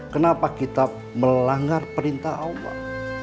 kenapa kita melanggar perintah allah